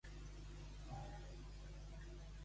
A la pífia.